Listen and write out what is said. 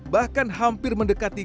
bahkan hampir mendekati